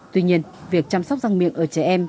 tuy nhiên việc chăm sóc răng miệng ở trẻ em